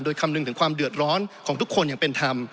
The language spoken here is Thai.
โดยคำนึงถึงความเดือดร้อนของทุกคนอย่างเป็นธรรม